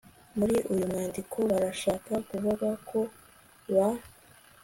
muri uyu mwandiko barashaka kuvuga ko ba